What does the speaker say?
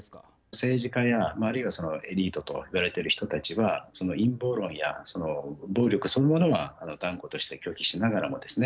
政治家や、あるいはエリートと言われている人たちはその陰謀論や暴力そのものは断固として拒否しながらもですね